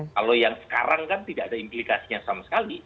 kalau yang sekarang kan tidak ada implikasinya sama sekali